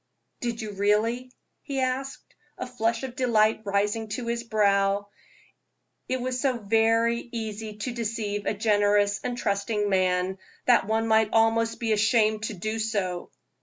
"Did you really?" he asked, a flush of delight rising to his brow. It is so very easy to deceive a generous and trusting man, that one might almost be ashamed to do it.